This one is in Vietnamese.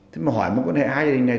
thế mà hỏi mỗi con hệ hai gia đình này